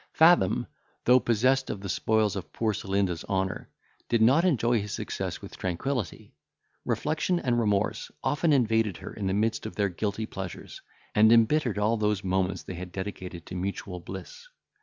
Fathom, though possessed of the spoils of poor Celinda's honour, did not enjoy his success with tranquillity. Reflection and remorse often invaded her in the midst of their guilty pleasures, and embittered all those moments they had dedicated to mutual bliss.